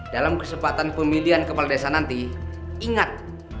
dalam kesempatan pemilihan kepala desa nanti ingat